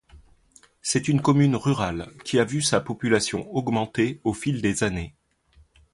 C'est une commune rurale qui a vu sa population augmenter au fil des années.